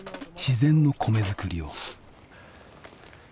自然の米作りを。